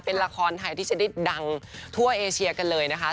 เป็นละครไทยที่จะได้ดังทั่วเอเชียกันเลยนะคะ